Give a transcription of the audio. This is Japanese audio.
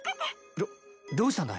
どどうしたんだい！？